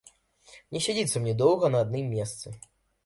Не сядзіцца мне доўга на адным месцы.